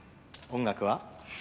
「音楽は？」